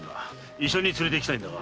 医者に連れて行きたいんだが。